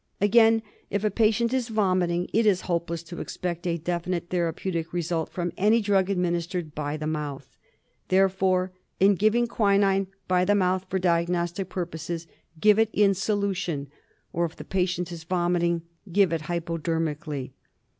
Again, if a patient is vomiting it is hopeless to expect a definite therapeutical result from any drug administered by the mouth. Therefore in giving quinine by the mouth for diag nostic purposes, give it in solution or, if the patient is vomiting, give it hypodermically.